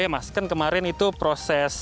mas kan kemarin itu proses